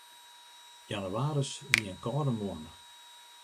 Jannewaris wie in kâlde moanne.